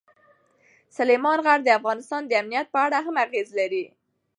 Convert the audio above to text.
سلیمان غر د افغانستان د امنیت په اړه هم اغېز لري.